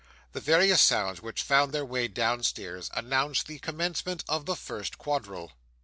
The various sounds which found their way downstairs announced the commencement of the first quadrille.